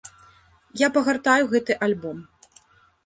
Я пагартаю гэты альбом.